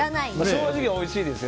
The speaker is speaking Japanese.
正直、おいしいです。